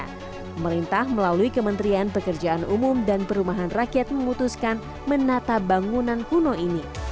pemerintah melalui kementerian pekerjaan umum dan perumahan rakyat memutuskan menata bangunan kuno ini